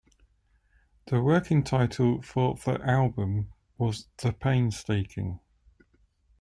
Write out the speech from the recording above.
The working title for the album was "The Painstaking".